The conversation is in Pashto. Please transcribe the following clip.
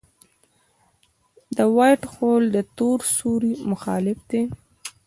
د وائټ هول د تور سوري مخالف دی.